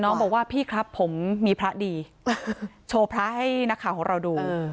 น้องบอกว่าพี่ครับผมมีพระดีโชว์พระให้นักข่าวของเราดู